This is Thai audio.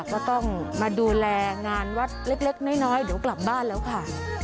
ก็ต้องมาดูแลงานวัดเล็กน้อยเดี๋ยวกลับบ้านแล้วค่ะ